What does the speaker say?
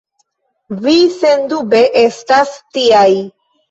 Vi sendube estas tiaj.